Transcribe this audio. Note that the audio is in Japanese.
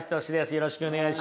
よろしくお願いします。